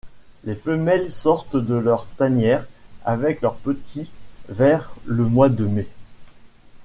Les femelles sortent de leur tanière avec leurs petits vers le mois de mai.